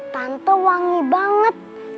tante wangi banget